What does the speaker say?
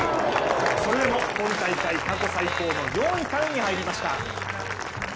それでも今大会過去最高の４位タイに入りました。